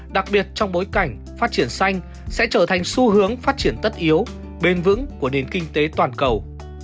đặc biệt trong bối cảnh phát triển xanh sẽ trở thành xu hướng phát triển tất yếu bền vững của nền kinh tế toàn cầu